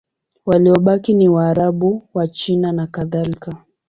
Waliobaki ni Waarabu, Wachina nakadhalika.